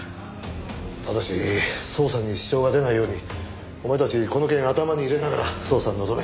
ただし捜査に支障が出ないようにお前たちこの件頭に入れながら捜査に臨め。